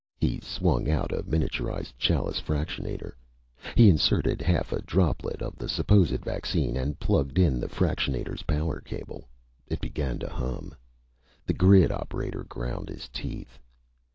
He swung out a miniaturized Challis fractionator. He inserted half a droplet of the supposed vaccine and plugged in the fractionator's power cable. It began to hum. The grid operator ground his teeth.